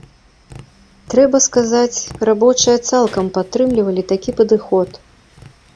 Трэба сказаць, рабочыя цалкам падтрымлівалі такі падыход.